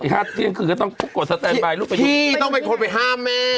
อีกห้าเตียงคือก็ต้องกดลูกไปที่พี่ต้องเป็นคนไปห้ามแม่